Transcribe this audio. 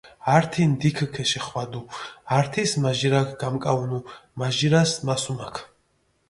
ართი ნდიქ ქეშეხვადუ, ართის მაჟირაქ გამკაჸუნუ, მაჟირას მასუმაქ.